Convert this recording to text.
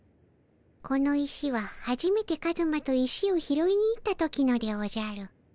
この石ははじめてカズマと石を拾いに行った時のでおじゃる。